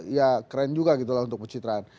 ya keren juga gitu lah untuk pencitraan